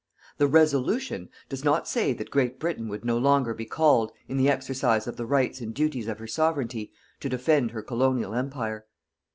The "Resolution" does not say that Great Britain would no longer be called, in the exercise of the rights and duties of her Sovereignty, to defend her Colonial Empire.